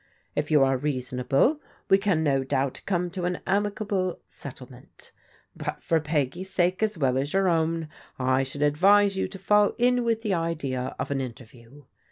If you are reasonable we can no doubt come to an amicable settlement. But for Peggy's sake, as well as your own, I should advise you to fall in with the idea of an interview.